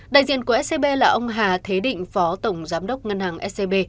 đại diện của scb là ông hà thế định phó tổng giám đốc ngân hàng scb